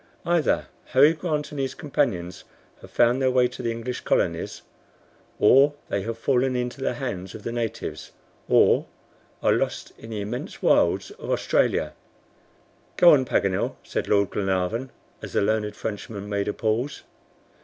Either Harry Grant and his companions have found their way to the English colonies, or they have fallen into the hands of the natives, or they are lost in the immense wilds of Australia." "Go on, Paganel," said Lord Glenarvan, as the learned Frenchman made a pause.